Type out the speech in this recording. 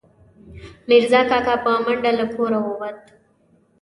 میرزا کاکا، په منډه له کوره ووت